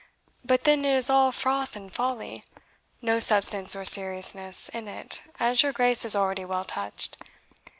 But then it is all froth and folly no substance or seriousness in it, as your Grace has already well touched.